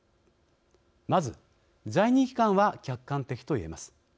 まず、在任期間は客観的といえます。